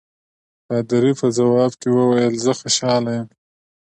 پادري په ځواب کې وویل زه خوشاله یم.